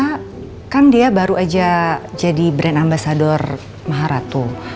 elsa kan dia baru aja jadi brand ambasador maharatu